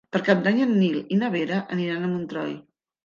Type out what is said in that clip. Per Cap d'Any en Nil i na Vera aniran a Montroi.